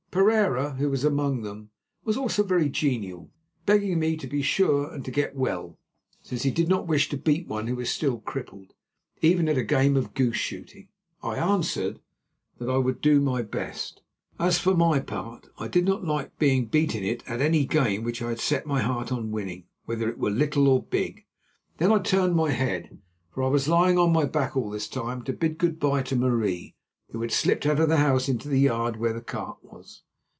Pereira, who was among them, was also very genial, begging me to be sure and get well, since he did not wish to beat one who was still crippled, even at a game of goose shooting. I answered that I would do my best; as for my part, I did not like being beaten at any game which I had set my heart on winning, whether it were little or big. Then I turned my head, for I was lying on my back all this time, to bid good bye to Marie, who had slipped out of the house into the yard where the cart was.